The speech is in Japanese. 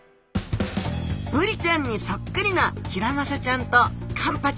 ブリちゃんにそっくりなヒラマサちゃんとカンパチちゃん。